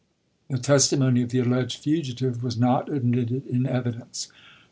The testimony of the alleged fugitive was not ad mitted in evidence.